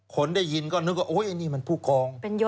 คนได้ยินก็นึกว่าโอ๊ยนี่มันผู้กอง